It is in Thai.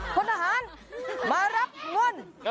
พลทหารมารับเงิน